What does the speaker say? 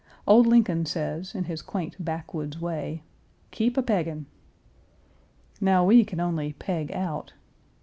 Old Lincoln says, in his quaint backwoods way, "Keep a peggin'." Now we can only peg out.